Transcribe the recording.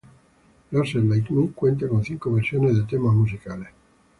Loser Like Me cuenta con cinco versiones de temas musicales.